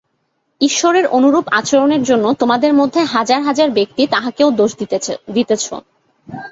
ঈশ্বরের অনুরূপ আচরণের জন্য তোমাদের মধ্যে হাজার হাজার ব্যক্তি তাঁহাকেও দোষ দিতেছ।